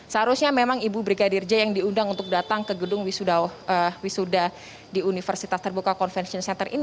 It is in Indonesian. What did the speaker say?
seharusnya memang ibu brigadir j yang diundang untuk datang ke gedung wisuda di universitas terbuka convention center ini